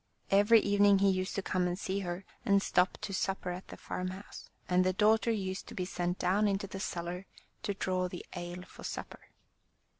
Every evening he used to come and see her, and stop to supper at the farmhouse, and the daughter used to be sent down into the cellar to draw the ale for supper.